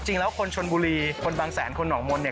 จริงแล้วคนชนบุรีคนบางแสนคนหนองมนต์เนี่ย